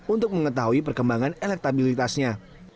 untuk mengetahui perkembangan elektabilitasnya